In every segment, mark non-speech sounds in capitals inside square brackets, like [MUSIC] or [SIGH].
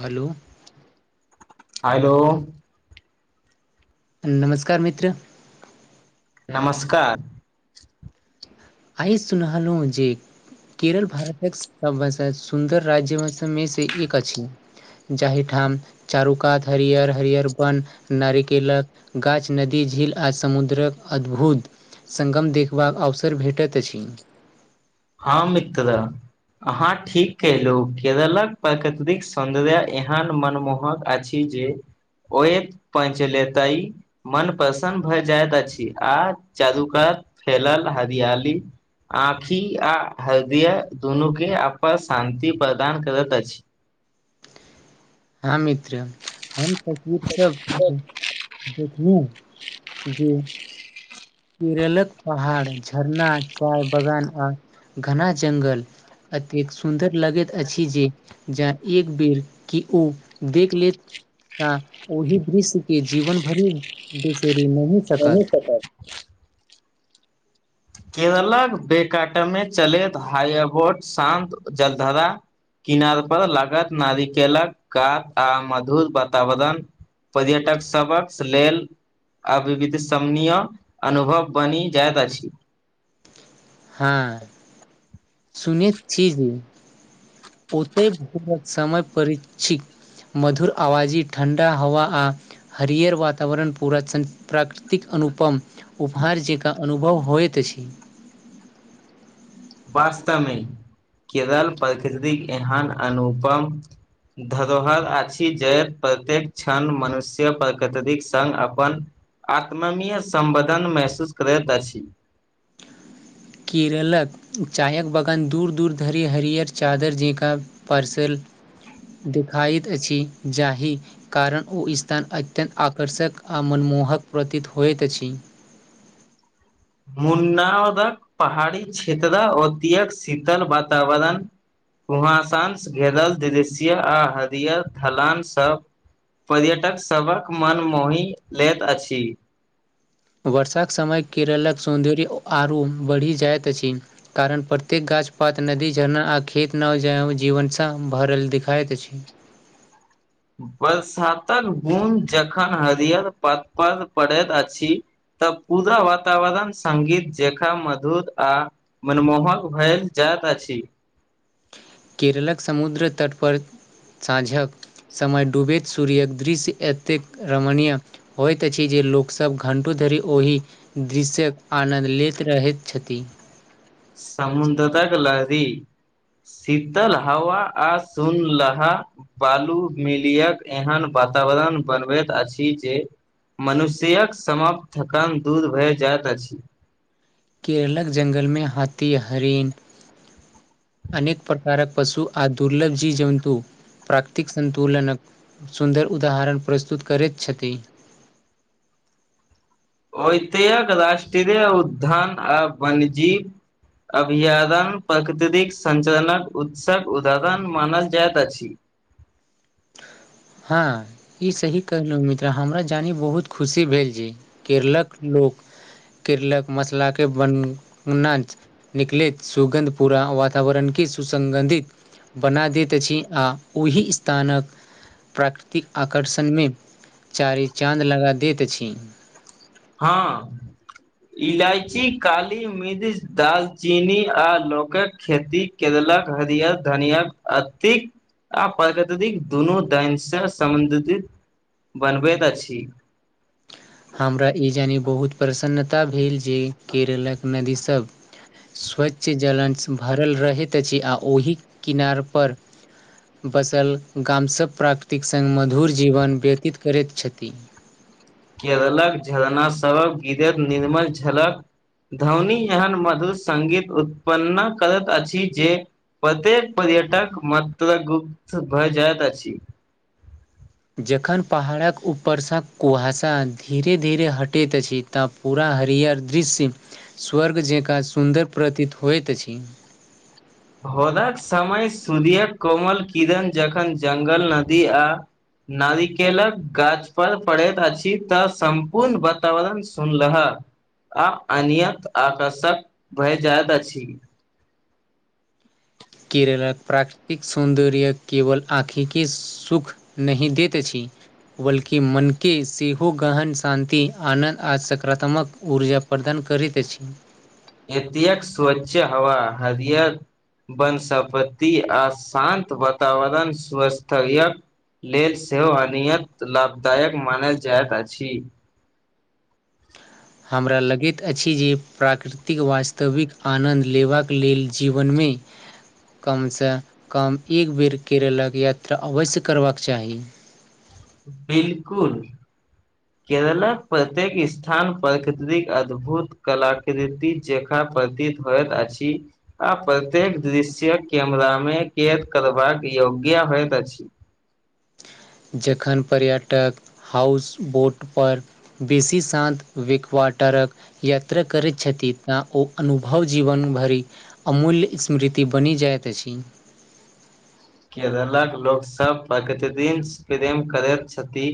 hello hello नमस्कार मित्र नमस्कार आइ सुनलहुँ जे केरल भारतक सभाषा सुन्दर राज्य भाषामे से एक अछि जाहिठाम चारु कात हरियर हरियर वन नारिकेलक गाछ नदी झील आ समुद्रक अद्भुत सङ्गम देखबाक अवसर भेट पठे छी ह मितर अहाँ ठीक कयलहुँ केरलक प्राकृतिक सौन्दर्य एहन मनमोहक अछि किजे ओहि पञच लेताई मन प्रसन्न भए जाइत अछि आ चारूकात फैलल हरियाली आँखि आ हरदिया दुनू के अपा शान्ति प्रदान करैत अछि हँ मित्र हम इ सब देखल [UNINTELLIGIBLE] जी केरलत पहाड़ झरना काय बागान आ घना जंगल एतेक सुन्दर लगैत अछि जे ज एक बेर ओ देख लेत ओहि दृश्य के जीवन भरि बिसरि नहि उन्नस सकत सटा [INAUDIBLE] [UNINTELLIGIBLE] केरलक बेकाटमे चलैत हाइबोट शान्त जलधरा किनार पर लागत नारिकेलक कात आ मधुर वातावरण पर्यटक सभकस लेल आ विविध शमनीय अनुभव बनि जाइत अछि हँ सुनीत छी ही ओते समय परीक्ष मधुर आवाजी ठण्डा हवा आ हरियर वातावरण पूरा प्राकृतिक अनुपम उपहार जेका अनुभव होयत अछि वास्तवमे केरल प्रकृतिक एहन अनुपम धरोहर अछि जे प्रत्येक क्षण मनुष्य प्रकृतिक संग अपन आत्ममीय समबधन महसूस करैत अछि केरेलक चायक बगान दूर दूर धरि हरियर चादर जेकाँ परसल देखाइत अछि जाहि कारण ओ स्थान अत्यन्त आकर्षक आ मनमोहक प्रतीत होइत अछि मुन्नादक पहाड़ी क्षेत्र ओतयक शीतल वातावरण कुहासं घेरल दृश्य आ हरियर थलान स पर्यटक सभक मन मोहि लैत अछि वर्षक समय केरलक सौन्दर्य आरू बढ़ि जाइत अछि कारण प्रत्येक गाछ पात नदी झरना आ खेत नव जव जीवनसँ भरल देखाइत अछि बरसातक बुंद जखन हरियर पात पर पड़ैत अछि तऽ पूरा वातावरण संगीत जेखा मधुर आ मनमोहक भेएल जाइत अछि केरलक समुद्र तटपर साँझक समय डूबैत सूर्यक दृश्य एतेक रमणीय होइत अछि जे लोकसभ घण्टो धरि ओहि दृश्यक आनन्द लेत रहैत छथि समुन्द्रताे ली [INAUDIBLE] [UNINTELLIGIBLE] शीतल हवा आ सुनलहा बालू मिलियक एहन वातावरण बनबैत अछि जे मनुष्यक समाप्त थकान दूर भए जायइत अछि केररलक जंगलमे हाथी हरिन अनेक प्रकारक पशु आ दुर्लभ जी जन्तु प्राकृतिक सतुलनक सुन्दर उदाहरण प्रस्तुत करैत छथि ओतय राष्ट्रीय उद्यान आ वाणिज्य अभयारण्य प्रकृतिक सञ्चालनक उत्सक उदाहरण मानल जाइत अछि हँ ई सही कहलहुँ मित्र हमरा जानि बहुत खुशी भेल जे केरलक लोक केरलक मसला के बनाच निकलैत सुगन्ध पुरा वातावरणी सुसगंधित बना दैत अछि आ ओहि स्थानक प्राकृतिक आकर्षण मे चारि चाँद लगा दैत अछि हँ इलायची काली मिर्ज दालचीनी आ लोक के खेती केरल क हरीयर धनिया आर्थिक आ प्रगतिक दुनू दैनसँ सम्बन्धित बनबैत अछि हमरा ई जानि बहुत प्रसन्नता भेल जे केरलक नदीसभ स्वच्छ जलन भरल रहैत अछि आ ओहि किनारपर बसल गाम सब प्राकृतिक सङ्ग मधुर जीवन व्यतीत करैत छथि केरलक झरना सबक गिर निर्मल झलक ध्वनी एहन मधुर सगीत उत्पन्न करैत अछि जे प्रत्येक पर्यटक मात्रगुप्त भए जाइत अछि जखन पहाड़क ऊपरसँ कुहासा धीरे धीरे हटैत अछि तऽ पूरा हरियर दृश्य स्वर्ग जेकाँ सुन्दर प्रतीत होइत अछि भोरक समय सूर्याक कोमल किरण जखन जंगल नदी आ नारिकेलक गाछ परर पड़ैत अछि तऽ सम्पूर्ण वातावरण सुनलह आ अनत आकर्षक भए जाइत अछि केरल क प्राकृतिक सौन्दर्य केवल आँखिके सुूख नहि दैत अछि बल्कि मनके सेहो गहन शान्ति आनन्द आ सकारात्मक उर्जा प्रदान करैत अछि एतेक स्वच्छ हवा हरियर वनसपत्ति आ शान्त वातावरण सुस्तरिय लेल सेहो अनियन्त लाभदायक मानल जाइत अछि हमरा लगैत अछि जे प्राकृतिक वास्तविक आनन्द लेबाक लेल जीवनमे कमसँ कम एक बेर केरलके यात्रा अवश्य करबाक चाही बिलकुल [UNINTELLIGIBLE] केरलक प्रत्येक स्थान प्रकृतिक अद्भुत कलाकृति जेका प्रतीत होएत आछि आ प्रत्येक दृश्य कैमरा मे कैद करबाक योग्य होइत अछि जखन पर्यटक हाउसबोट पर बेसी सानत विक्वाटर क यात्रा करैत छथि ता ओ अनुभव जीवन भरि अमूल्य स्मृति बनि जाइत अछि केरलक लोकसभ प्रगतिदिन प्रेम करैत छथि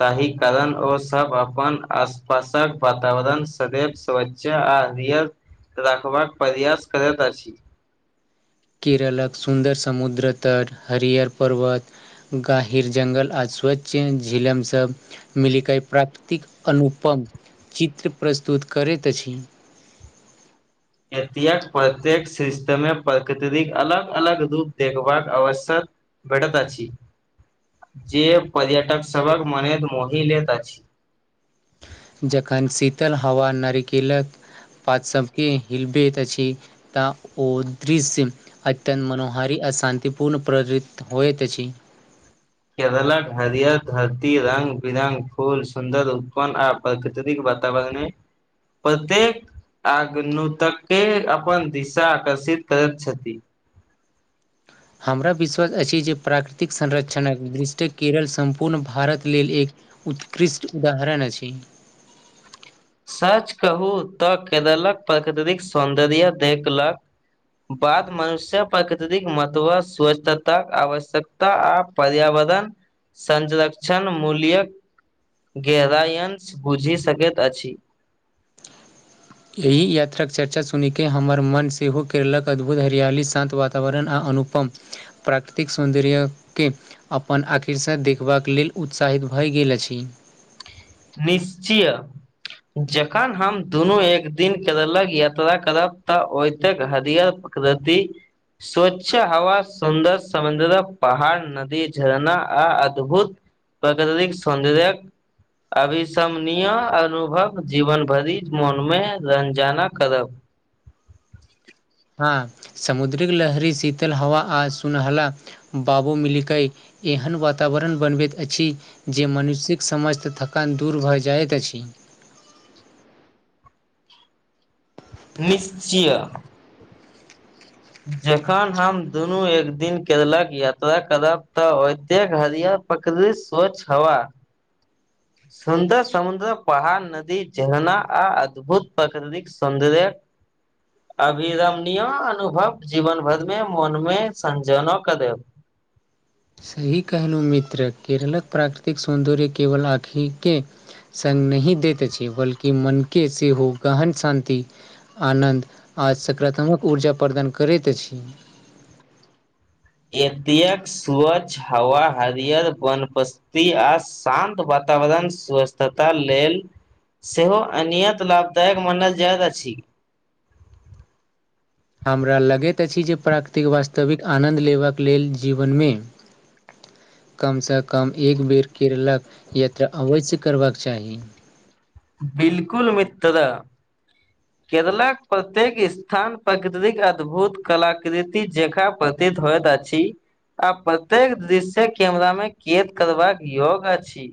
ताहि कारण ओ सब अपन आसपासक वातावरण सदैव स आ रिय राखबाक प्रयास करैत अछि केरलक सुन्दर समुद्र तर हरिहर पर्वत गाहिर जङ्गल आ स्वच्छ झीलम सभ मिलकई प्राकृतिक अनुपम चित्र प्रस्तुत करेत अछि एत प्रत्येक सिस्ट मे प्रकृतिक अलग अलग रूप देखबाक अवश्यक भेटत अछि जे पर्यटक सबहक मने के मोहि लैत अछि जखन शीतल हवा नारिकेलक पात सबके हिलबैत अछि तऽ ओ दृश्य म अत्यन्त मनोहारी आ शान्तिपूर्ण प्रेतीत होयत अछि केरलक हरियर धरती रङ्ग बिरङ्ग फूल सुन्दर उत्पन्न आ प्रकृतिक वातावरण ह प्रत्येक आगन तक के अपन दिशा आकर्षित करैत छथि हमरा विश्वास अछि जे प्राकृतिक संरक्षणक दृष्टि केरल सम्पूर्ण भारत लेल एक उतकृष्ट उदाहरण अछि सच कहू तऽ केरलक प्रकृतिक सौन्दर्य देखलक बाद मनुष्य प्राकृतिक महत्व स्वच्छताक आवश्यक आ पर्यावरण संरक्षण मूल्यक गेरायन्स बुझि सकैत अछि एहि यात्राके चर्चा सुनिके हमर मन सेहो केरलक अद्भुत हरियाली शान्त वातावरण आर अनुपम प्राकृतिक सौन्दर्यके अपन आखिरसँ देखबाक लेल उत्साहित भए गेल अछि निश्चय जखन हम दुनू एक दिन करलक यात्रा करब तऽ ओतेक हरिियर कदति स्वच्छ हवा सुन्दर समुदर पहाड़ नदी झरना आ अद्भुत प्रकृतिक सॉंदर्य क अविसमणय अनुभव जीवन भरिक मोनमे रञजाना करब हँ समुद्रिक लहरी शीतल हवा आज सुनहला बाबू मलिकई एहन वातावरण बनबैत अछि जे मनुष्यक समस्त थकान दूर भऽ जाइत अछि निश्चय जखन हम दुनू एक दिन कलक यात्रा करब तऽ ओतेक हरिय पकद स्व् हवा सुन्दर समुद्र पहाड़ नदी जहना आ अद्भुत प्राकृतिक सौन्दर्य ह अभिरमणयो अनुभव जीवन भर मे मोन में संजनो कर देब सही कहलूँ मित्र केरलक प्राकृतिक सौन्दर्य केवल आँखििके सङ्ग नहिह दैत अछि बल्कि मनके सेहो गहन शान्ति आनन्द आज सकारात्मक ऊर्जा प्रदान करैत अछि एतेक स्वच्छ हवा हरियर वन आ शान्त वातावरण स्वस्थता लेल सेहो अनियत लाभदायक मानल जाइत अछि हमरा लगैत अछि जे प्राकृतिक वास्तविक आनन्द लेबाक लेल जीवनमे कमसँ कम एक बेर केरलक यात्रा अवश्य करबाक चाही बिलकुल मितद केरलाक प्रत्येक स्थान प्रकृतिक अद्भुत कलाकृति जे हो जा छी आ प्रत्येक दृश्ये कैमरा मे खद करबाक योग अछि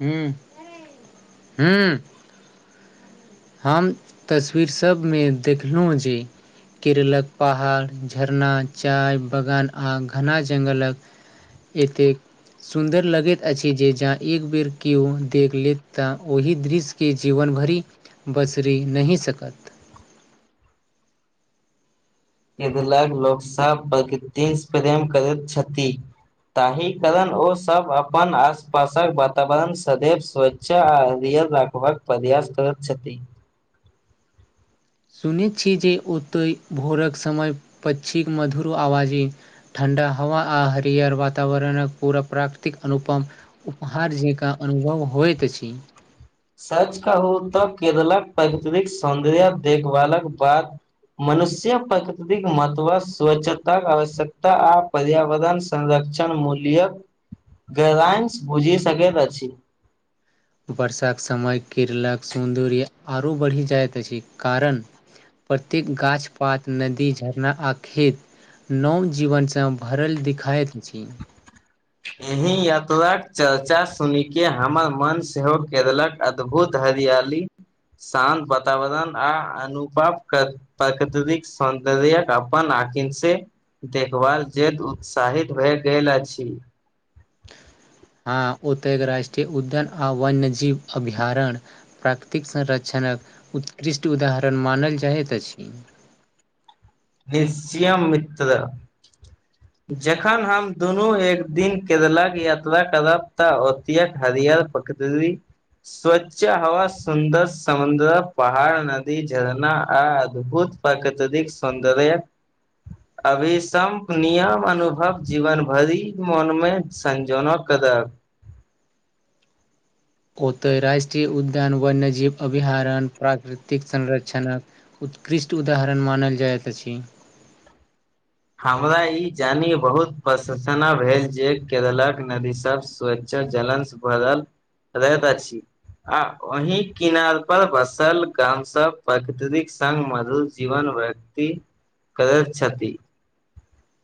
हू हू हम तस्वीरसभमे देखलहुँ जे केरेलक पहाड़ झरना चाय बगान आ घना जङ्गलक एत सुन्दर लगैत अछि जे जहं एक बेर केो देख लेत ता ओहि दृश्य के जीवन भरि बसरि नहि सकत इदलग लोकसभ प्रकति प्रेम करैत छथि ताहि कारण ओसभ अपन आसपासक वातावरण सदैव सोच चा रखबाक फ्यस तरत छथि सुनैत छी जे ओतय भोरक समय पक्षीक मधुर आवाज अ ठं्ा हव आ हरियर वातावरण पूरा प्राकृतिक अनुपम उपहार जकाँ अनुभव होइत अछि सच कहू तऽ केरलक प्रकृरिक सौंन्दर्य देखभालक बाद मनुष्य प्रकृतिक महत्व स्वच्छताक आवश्यकता आ पर्यावरण संरक्षण मूल्य ग्रइश बुझि सकैत अछि वर्षाक समय किरलक सुन्दूरी आरो बढ़ि जाइत अछि कारण प्रत्येक गाछ पात नदी झरना आ खेत नव जीवनसँ भरल दिखाइत अछि एहि यात्राक चर्चा सुनिके हमर मन सेहो क देलक अद्भुत हरियाली शान्त वातावरण आ अनुपपमकर प्राकृततिक सौन्द कपाआकस देखभाल ज मनउत्साहित भए गेल अछि हँ ओतय राष्ट्रीय उद्यन आ वन्यजीव अभयारण्य प्राकृतिक संरक्षणक उत्कृष्ट उदाहरण मानल जाइत अछि निश्चय मित जखन हम दुनू एक दिन केरलक यात्रा करब तऽ हरिय पकी स्वच्छ हव सुन्दर समुद्र पहाड़ नदी झरना आ अद्भुत परकातृक सौन्दर्य ह अभिसम्प नियम अनुभव जीवन भरिक मोनमे संजोना कब ओतय राष्ट्रीय उद्यान वन्यजीव अभहारण्य प्राकृतिक संरक्षणक उत्कृष्ट उदाहरण मानल जाइत अछि हमरा ई जानि बहुत प्रसंसना भेल जे केरलक नदी सब स ब छी आ ओहि किनार पर बसल गाम सब प्रकृतिक संग मधुर जीवन अछै त प्रगछति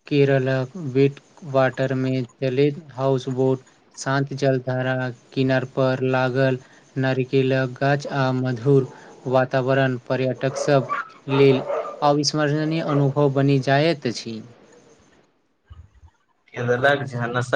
केरलक वीट वाटरमे चलैत हाउसबोट शान्त जल धारा किनार पर लागल नारिकेलक गाछ आ मधुर वातावरण पर्यटक सब लेल अविस्मरनीय अनुभव बनि जाइत अछि लाग छै ह